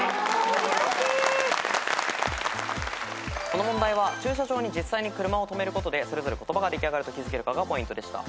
この問題は駐車場に実際に車を止めることでそれぞれ言葉が出来上がると気付けるかがポイントでした。